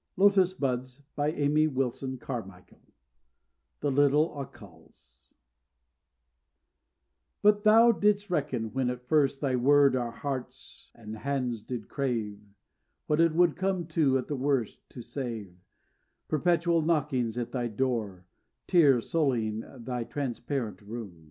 CHAPTER XXV The Little Accals But Thou didst reckon, when at first Thy word our hearts and hands did crave, What it would come to at the worst To save. Perpetual knockings at Thy door, Tears sullying Thy transparent rooms.